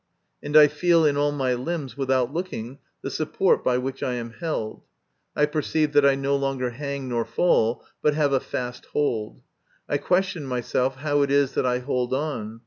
and I feel in all my limbs, without looking, the support by which I am held. I perceive that I no longer hang nor fall, but have a fast hold. I question myself how it is that I hold on.